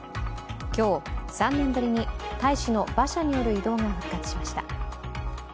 今日、３年ぶりに大使の馬車による移動が復活しました。